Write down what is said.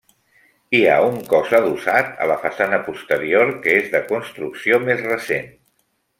Hi ha un cos adossat a la façana posterior que és de construcció més recent.